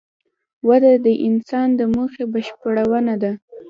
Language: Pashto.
وده د انسان د موخې بشپړونه ده.